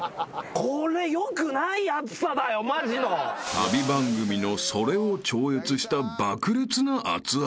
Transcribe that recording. ［旅番組のそれを超越した爆裂な熱々］